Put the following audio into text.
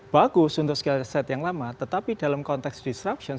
bagus untuk skill set yang lama tetapi dalam konteks disruption